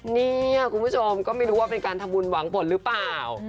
เนี่ยคุณผู้ชมก็ไม่รู้ว่าเป็นการทำบุญหวังผลหรือเปล่า